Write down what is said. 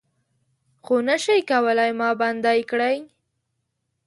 خو نه شئ کولای ما بندۍ کړي